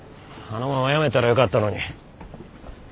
あのまま辞めたらよかったのに。